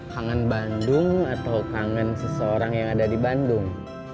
kangen bandung atau kangen seseorang yang ada di bandung